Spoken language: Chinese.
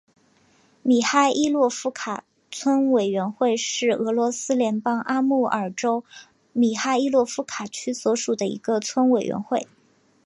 米哈伊洛夫卡村委员会是俄罗斯联邦阿穆尔州米哈伊洛夫卡区所属的一个村委员会。